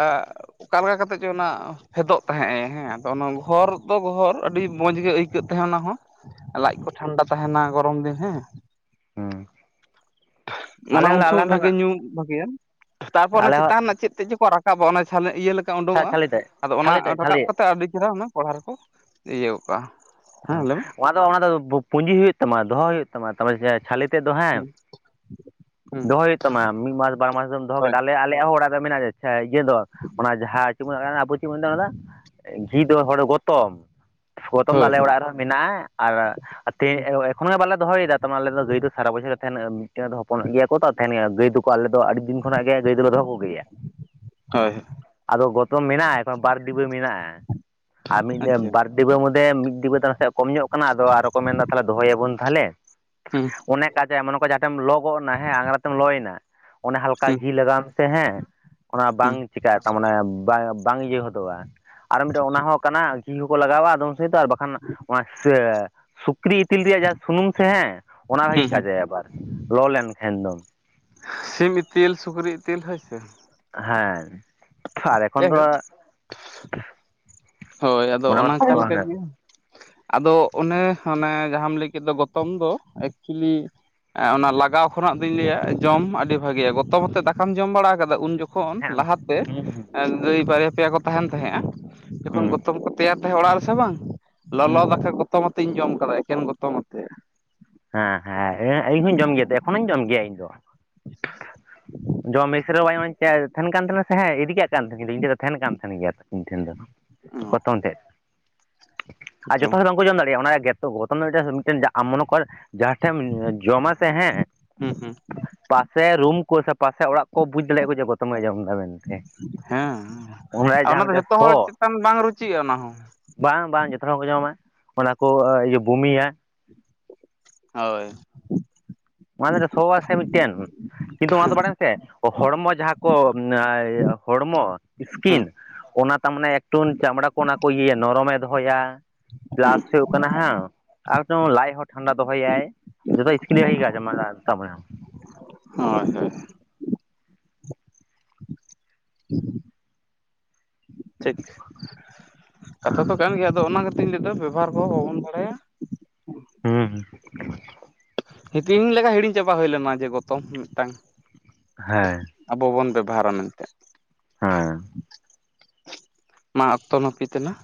ᱟᱸᱻ ᱚᱠᱟ ᱞᱮᱠᱟ ᱠᱟᱛᱮᱜ ᱪᱚ ᱚᱱᱟ ᱯᱷᱮᱫᱚᱜ ᱛᱟᱦᱮᱸᱜ ᱦᱮᱸ ᱚᱱᱟ ᱜᱷᱚᱨ ᱫᱚ ᱜᱷᱚᱨ ᱟᱹᱰᱤ ᱢᱚᱸᱡᱽ ᱜᱮ ᱟᱹᱭᱠᱟᱹᱜ ᱛᱟᱦᱮᱸᱫ ᱚᱱᱟᱦᱚ ᱞᱟᱡ ᱠᱚ ᱴᱷᱟᱱᱰᱟ ᱛᱟᱦᱮᱸᱱᱟ ᱜᱚᱨᱚᱢ ᱫᱤᱱ ᱦᱮᱸ ᱦᱩᱸ ᱟᱞᱮ ᱚᱱᱟ ᱩᱱ ᱦᱚᱸᱞᱮ ᱟᱞᱮ ᱥᱚᱢᱚᱭ ᱦᱚᱸᱞᱮ ᱵᱷᱟᱜᱮ ᱧᱩ ᱵᱷᱟᱹᱜᱮᱭᱟ ᱛᱟᱨᱯᱚᱨ ᱚᱱᱟ ᱟᱞᱮ ᱪᱮᱛᱟᱱ ᱨᱮᱱᱟᱜ ᱪᱮᱫ ᱛᱮᱫ ᱪᱚᱠᱚ ᱨᱟᱠᱟᱵ ᱨᱟᱠᱟᱵᱚᱜ ᱚᱱᱟ ᱪᱷᱟᱞᱮ ᱤᱭᱟᱹ ᱞᱮᱠᱟ ᱦᱚᱸ ᱩᱰᱩᱠᱚᱜᱼᱟ ᱪᱷᱟᱹᱞᱤ ᱛᱮᱫ ᱟᱫᱚ ᱚᱱᱟ ᱪᱷᱟᱹᱞᱤ ᱛᱮᱫ ᱨᱟᱠᱟᱵ ᱪᱷᱟᱹᱞᱤ ᱠᱟᱛᱮ ᱟᱹᱰᱤ ᱪᱮᱦᱨᱟ ᱚᱱᱟ ᱠᱚᱲᱦᱟ ᱨᱮᱠᱚ ᱤᱭᱟᱹ ᱚᱠᱟ ᱚᱱᱟ ᱫᱚ ᱚᱱᱟ ᱫᱚ ᱯᱩᱸᱡᱤ ᱦᱩᱭᱩᱜ ᱛᱟᱢᱟ ᱫᱚᱦᱚ ᱦᱩᱭᱩᱜ ᱛᱟᱢᱟ ᱛᱚᱵᱮᱡᱮ ᱪᱷᱟᱞᱮ ᱛᱮᱫ ᱫᱚ ᱦᱮᱸ ᱦᱮᱸ ᱫᱚᱦᱚ ᱦᱩᱭᱩᱜ ᱛᱟᱢᱟ ᱢᱤᱫ ᱢᱟᱥ ᱵᱟᱨ ᱢᱟᱥ ᱫᱚᱢ ᱫᱚᱦᱚ ᱦᱳᱭ ᱠᱮᱫᱟ ᱟᱞᱮ ᱟᱞᱮᱭᱟᱜ ᱦᱚ ᱚᱲᱟᱜ ᱢᱮᱱᱟᱜᱼᱟ ᱟᱪᱪᱷᱟ ᱤᱭᱟᱹ ᱫᱚ ᱚᱱᱟ ᱡᱟᱦᱟᱸ [unintelligible] ᱟᱵᱚ ᱪᱮᱫ ᱠᱚ ᱢᱮᱛᱟᱜ ᱠᱟᱱᱟ ᱜᱷᱤ ᱫᱚ ᱦᱚᱲ ᱜᱚᱛᱚᱢ ᱜᱚᱛᱚᱢ ᱫᱚ ᱦᱳᱭ ᱟᱞᱮ ᱚᱲᱟᱜ ᱨᱮᱦᱚ ᱢᱮᱱᱟᱜᱼᱟ ᱟᱨ ᱛᱮ ᱦᱳᱭ ᱮᱠᱷᱚᱱᱚ ᱵᱟᱞᱮ ᱫᱚᱦᱚᱭᱮᱫᱟ ᱛᱟᱢᱟ ᱟᱞᱮ ᱫᱚ ᱜᱟᱹᱭ ᱫᱚ ᱥᱟᱨᱟ ᱵᱚᱪᱷᱚᱨ ᱜᱮ ᱛᱟᱦᱮᱱᱟ ᱫᱚ ᱦᱚᱯᱚᱱᱚᱜ ᱜᱮᱭᱟ ᱠᱚ ᱛᱚ ᱛᱟᱦᱮᱱ ᱜᱮᱭᱟ ᱜᱟᱹᱭ ᱫᱚᱠᱚ ᱟᱞᱮ ᱫᱚ ᱟᱹᱰᱤ ᱫᱤᱱ ᱠᱷᱚᱱᱟᱜ ᱜᱮ ᱜᱟᱹᱭ ᱫᱚᱞᱮ ᱫᱚᱦᱚ ᱠᱚᱜᱮᱭᱟ ᱦᱳᱭ ᱟᱫᱚ ᱜᱚᱛᱚᱢ ᱢᱮᱱᱟᱜᱼᱟ ᱮ ᱵᱟᱨ ᱰᱤᱵᱟᱹ ᱢᱮᱱᱟᱜᱼᱟ ᱟᱨ ᱢᱤᱫ ᱟᱪᱪᱷᱟ ᱵᱟᱨ [inaudible] ᱰᱤᱵᱟᱹ ᱢᱩᱫᱽᱫᱮ ᱢᱤᱫ ᱰᱤᱵᱟᱹ ᱛᱟᱞᱟ ᱥᱮᱫ ᱠᱚᱢ ᱧᱚᱜ ᱠᱟᱱᱟ ᱟᱫᱚ ᱟᱨᱚ ᱠᱚ ᱢᱮᱱᱫᱟ ᱛᱟᱦᱚᱞᱮ ᱫᱚᱦᱚᱭᱟᱵᱚᱱ ᱛᱟᱦᱚᱞᱮ ᱦᱩᱸ ᱚᱱᱮᱠ ᱠᱟᱡᱮ ᱮᱢᱟ ᱱᱚᱝᱠᱟ ᱡᱟᱦᱟᱸᱴᱷᱮᱱ ᱞᱚ ᱜᱚᱫ ᱱᱟ ᱦᱮᱸ ᱟᱝᱨᱟ ᱛᱮᱢ ᱞᱚᱭᱮᱱᱟ ᱚᱱᱮ ᱦᱟᱞᱠᱟ ᱦᱩᱸ ᱜᱷᱤ ᱞᱟᱜᱟᱣ ᱢᱮ ᱥᱮ ᱦᱮᱸ ᱚᱱᱟ ᱵᱟᱝ ᱦᱩᱸ ᱪᱤᱠᱟᱭ ᱛᱟᱢ ᱚᱰᱮᱸ ᱵᱟᱝ ᱤᱭᱟᱹ ᱦᱚᱫᱚᱜᱼᱟ ᱟᱨ ᱢᱤᱫᱴᱮᱱ ᱚᱱᱟ ᱦᱚᱸ ᱠᱟᱱᱟ ᱜᱷᱤ ᱦᱚᱸᱠᱚ ᱞᱟᱜᱟᱣᱟ ᱟᱫᱚᱢ ᱥᱮ ᱫᱚ ᱟᱨ ᱵᱟᱠᱷᱟᱱ ᱚᱱᱟ [unintelligible] ᱥᱩᱠᱨᱤ ᱤᱛᱤᱞ ᱨᱮᱭᱟᱜ ᱡᱟ ᱥᱩᱱᱩᱢ ᱥᱮ ᱦᱮᱸ ᱚᱱᱟ ᱦᱩᱸ ᱵᱷᱟᱜᱮ ᱦᱩᱸ ᱠᱟᱡᱟᱭ ᱟᱵᱟᱨ ᱞᱚ ᱞᱮᱱᱠᱷᱟᱱ ᱫᱚ ᱥᱤᱢ ᱤᱛᱤᱞ ᱥᱩᱠᱨᱤ ᱤᱛᱤᱞ ᱦᱳᱭ ᱥᱮ ᱦᱮᱸ ᱟᱨ ᱮᱠᱷᱚᱱ ᱫᱚ ᱡᱟᱭᱦᱳᱠ ᱦᱳᱭ ᱟᱫᱚ ᱚᱱᱟ ᱠᱚᱫᱚ ᱚᱱᱟᱠᱟᱞᱮᱠᱟ ᱜᱮ ᱟᱫᱚ ᱚᱱᱮ ᱚᱱᱮ ᱡᱟᱦᱟᱸᱢ ᱞᱟᱹᱭ ᱠᱮᱫ ᱫᱚ ᱜᱚᱛᱚᱢ ᱫᱚ ᱮᱠᱪᱩᱭᱮᱞᱤ ᱚᱱᱟ ᱞᱟᱜᱟᱣ ᱠᱷᱚᱱᱟᱜ ᱫᱩᱧ ᱞᱟᱹᱭᱟ ᱡᱚᱢ ᱟᱹᱰᱤ ᱵᱷᱟᱜᱮᱭᱟ ᱜᱚᱛᱚᱢ ᱟᱛᱮ ᱫᱟᱠᱟᱢ ᱡᱚᱢ ᱵᱟᱲᱟ ᱟᱠᱟᱫᱟ ᱩᱱ ᱡᱚᱠᱷᱚᱱ ᱛᱚᱠᱷᱚᱱ ᱦᱮᱸ ᱞᱟᱦᱟᱛᱮ ᱦᱩᱸ ᱦᱩᱸ ᱜᱟᱹᱭ ᱵᱟᱨᱭᱟ ᱯᱮᱭᱟ ᱠᱚ ᱛᱟᱦᱮᱱ ᱛᱟᱦᱮᱸᱜᱼᱟ ᱡᱚᱠᱷᱚᱱ ᱦᱩᱸ ᱜᱚᱛᱚᱢ ᱠᱚ ᱛᱮᱭᱟᱨ ᱚᱲᱟᱜ ᱨᱮᱥᱮ ᱵᱟᱝ ᱞᱚᱞᱚ ᱦᱩᱸ ᱫᱟᱠᱟ ᱜᱚᱛᱚᱢ ᱟᱛᱮᱧ ᱡᱚᱢ ᱟᱠᱟᱫᱟ ᱮᱠᱮᱱ ᱜᱚᱛᱚᱢ ᱟᱛᱮ ᱦᱮᱸ ᱦᱮᱸ ᱤᱧ ᱦᱚᱸᱧ ᱡᱚᱢ ᱜᱮᱭᱟ ᱮᱠᱷᱚᱱᱚᱧ ᱡᱚᱢ ᱜᱮᱭᱟ ᱤᱧ ᱫᱚ ᱡᱚᱢ [unintelligible] ᱛᱟᱦᱮᱸᱱ ᱠᱟᱱ ᱛᱟᱦᱮᱜ ᱥᱮ ᱦᱮᱸ ᱤᱫᱤᱠᱟᱜ ᱠᱟᱱ ᱛᱟᱦᱮᱱᱤᱧ ᱤᱧ ᱴᱷᱮᱱ ᱫᱚ ᱛᱟᱦᱮᱱ ᱠᱟᱱ ᱛᱟᱦᱮᱱ [inaudible] ᱜᱮᱭᱟ ᱤᱧ ᱴᱷᱮᱱ ᱫᱚ ᱜᱚᱛᱚᱢ ᱛᱮᱫ ᱟᱨ ᱪᱚᱝ ᱡᱷᱚᱛᱚ ᱦᱚᱲ ᱵᱟᱝᱠᱚ ᱡᱚᱢ ᱫᱟᱲᱮᱭᱟᱜᱼᱟ ᱚᱱᱟ ᱨᱮᱭᱟᱜ ᱜᱮᱛᱚ ᱜᱚᱛᱚᱢ ᱫᱚ ᱢᱤᱫ ᱢᱤᱫᱴᱮᱱ ᱟᱢ ᱢᱚᱱᱚ ᱠᱚᱨ [unintelligible] ᱡᱟᱦᱟᱸ ᱴᱷᱮᱢ ᱡᱚᱢ ᱟ ᱥᱮ ᱦᱮᱸ ᱦᱩᱸ ᱦᱩᱸ ᱯᱟᱥᱮ ᱨᱩᱢ ᱠᱚ ᱥᱮ ᱯᱟᱥᱮ ᱚᱲᱟᱜ ᱠᱚ ᱵᱩᱡᱽ ᱫᱟᱲᱮᱭᱟᱜᱼᱟᱠᱚ ᱡᱮ ᱜᱚᱛᱚᱢᱮ ᱡᱚᱢ ᱫᱟ ᱢᱮᱱᱛᱮ ᱦᱮᱸ ᱚᱱᱟ ᱡᱟᱦᱟᱸ ᱫᱚ ᱢᱤᱫᱴᱮᱱ ᱡᱷᱚᱛᱚ ᱦᱚᱲ ᱥᱚ ᱪᱮᱛᱟᱱ ᱵᱟᱝ ᱨᱩᱪᱤᱜᱼᱟ ᱚᱱᱟ ᱦᱚᱸ ᱵᱟᱝ ᱵᱟᱝ ᱡᱚᱛᱚ ᱦᱚᱲᱣᱟᱠᱚ ᱡᱚᱢᱟ ᱚᱱᱟ ᱠᱚ ᱤᱭᱟᱹ ᱵᱳᱢᱤᱭᱟ ᱦᱳᱭ ᱢᱟᱱᱮ ᱫᱚ ᱥᱳᱣᱟᱥᱮ ᱢᱤᱫᱴᱮᱱ ᱠᱤᱱᱛᱩ ᱚᱱᱟ ᱫᱚ ᱵᱟᱲᱟᱭᱟᱢᱥᱮ ᱦᱚᱲᱢᱚ ᱡᱟᱦᱟᱸ ᱠᱚ ᱦᱚᱲᱢᱚ ᱦᱩᱸ ᱥᱠᱤᱱ ᱚᱱᱟ ᱛᱟᱨ ᱢᱟᱱᱮ ᱮᱠᱴᱩ [inaudible] ᱪᱟᱢᱲᱟ ᱠᱚ ᱚᱱᱟ ᱠᱚ ᱤᱭᱟᱹ ᱱᱚᱨᱚᱢᱮ ᱫᱚᱦᱚᱭᱟ ᱦᱩᱸ ᱯᱞᱟᱥ ᱦᱩᱭᱩᱜ ᱠᱟᱱᱟ ᱦᱟᱜ ᱟᱨ ᱫᱚ ᱞᱟᱡ ᱦᱚᱸ ᱴᱷᱟᱱᱰᱟ ᱫᱚᱦᱚᱭᱟᱭ ᱡᱚᱛᱚ ᱤᱥᱠᱤᱱ [inaudible] [inaudible] [unintelligible] [inaudible] ᱴᱷᱤᱠ ᱠᱟᱛᱷᱟ ᱫᱚ ᱠᱟᱱ ᱜᱮᱭᱟ ᱟᱫᱚ ᱚᱱᱟ ᱠᱟᱛᱮᱧ ᱞᱟᱹᱭ ᱫᱟ ᱵᱮᱵᱚᱦᱟᱨ ᱠᱚᱦᱚᱸ ᱵᱟᱵᱚᱱ ᱵᱟᱲᱟᱭᱟ ᱦᱩᱸ [inaudible] ᱦᱤᱛᱤᱧ ᱞᱮᱠᱟ ᱦᱤᱲᱤᱧ ᱪᱟᱵᱟ ᱦᱩᱭ ᱞᱮᱱᱟ ᱡᱮ ᱜᱚᱛᱚᱢ ᱢᱤᱫ ᱴᱮᱝ ᱦᱮᱸ ᱟᱵᱚ ᱵᱚᱱ ᱵᱮᱵᱚᱦᱟᱨᱟ ᱢᱮᱱᱛᱮ ᱦᱮᱸ ᱢᱟ ᱚᱠᱛᱚ ᱱᱟᱹᱯᱤᱛ ᱛᱮᱱᱟᱜ